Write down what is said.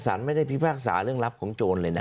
สารไม่ได้พิพากษาเรื่องลับของโจรเลยนะ